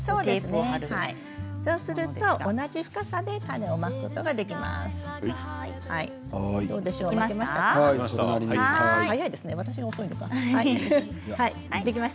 そうすると、同じ深さで種をまくことができます。